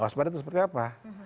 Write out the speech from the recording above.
waspada itu seperti apa